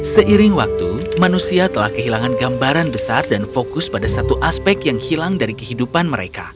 seiring waktu manusia telah kehilangan gambaran besar dan fokus pada satu aspek yang hilang dari kehidupan mereka